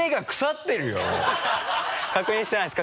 確認してないです。